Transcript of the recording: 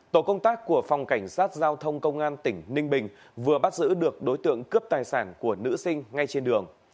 tổ công tác của phòng cảnh sát giao thông công an tỉnh ninh bình vừa bắt giữ được đối tượng cướp tài sản của nữ sinh ngay trên đường